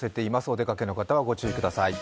お出かけの方はご注意ください。